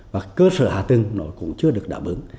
và cơ sở hạ tưng nó cũng chưa được đảm ứng